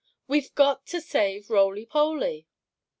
We've got to save Roly Poly!"